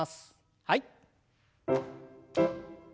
はい。